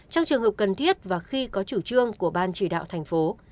trong trường hợp cần thiết và khi có chủ trương của ban chỉ đạo thành phố